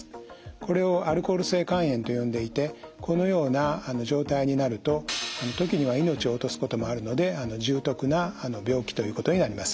これをアルコール性肝炎と呼んでいてこのような状態になると時には命を落とすこともあるので重篤な病気ということになります。